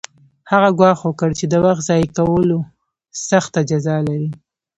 هغه ګواښ وکړ چې د وخت ضایع کول سخته جزا لري